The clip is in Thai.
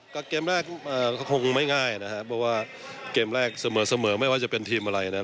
ก็เกมแรกก็คงไม่ง่ายนะครับเพราะว่าเกมแรกเสมอไม่ว่าจะเป็นทีมอะไรนะครับ